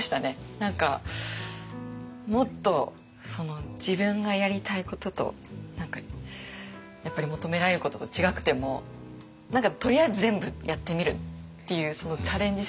何かもっと自分がやりたいこととやっぱり求められることと違くても何かとりあえず全部やってみるっていうそのチャレンジ